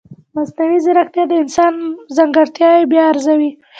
مصنوعي ځیرکتیا د انسان ځانګړتیاوې بیا ارزوي.